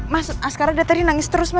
mas askara udah nangis terus